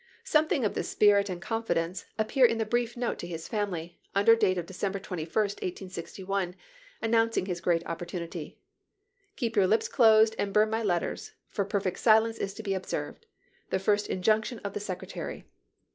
Something of this spirit and confidence appear in the brief note to his family, under date of December 21, 1861, announcing his great opportunity: " Keep your lips closed and burn my letters ; for perfect silence is to be observed — the first injunction of the Secretary.